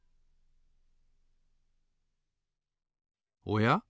おや？